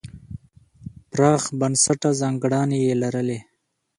پراخ بنسټه ځانګړنې یې لرلې.